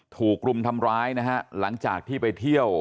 ถูกรุมทำร้ายนะฮะหลังจากที่ไปเที่ยว